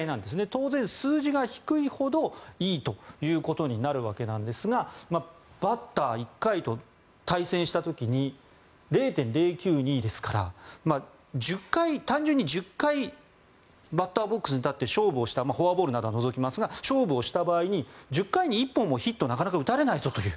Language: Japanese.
当然、数字が低いほどいいということになるわけですがバッター１回と対戦した時に０．０９２ですから単純に１０回バッターボックスに立ってフォアボールなどを除きますが勝負をした場合に１０回に１本もヒット、なかなか打たれないぞという。